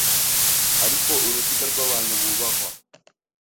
Ariko uruziga rwabantu bubahwa